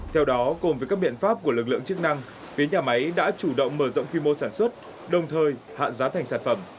theo đó cùng với các biện pháp của lực lượng chức năng phía nhà máy đã chủ động mở rộng quy mô sản xuất đồng thời hạ giá thành sản phẩm